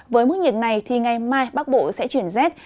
với mức nhiệt này ngày mai bắc bộ sẽ chuyển rét